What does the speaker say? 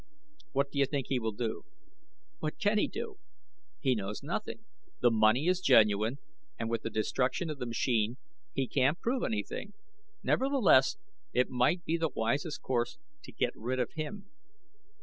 "What do you think he will do?" "What can he do? He knows nothing. The money is genuine, and with the destruction of the machine he can't prove anything. Nevertheless it might be the wisest course to get rid of him.